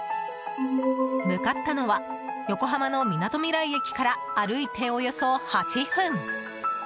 向かったのは横浜のみなとみらい駅から歩いておよそ８分。